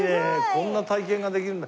こんな体験ができるんだ。